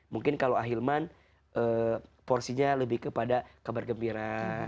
mungkin kalau ahilman porsinya lebih kepada kabar gembira